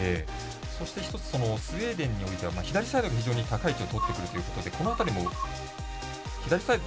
そして、一つスウェーデンにおいては左サイドが非常に高い位置をとってくるということでこの辺りも左サイド